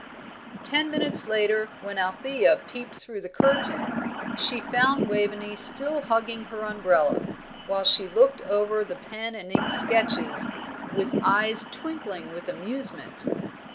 Ten minutes later, when Althea peeped through the curtain, she found Waveney still hugging her umbrella, while she looked over the pen and ink sketches with eyes twinkling with amusement.